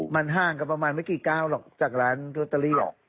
มันห่างกันประมาณไม่กี่ก้าวหรอกจากร้านโรตเตอรี่หรอก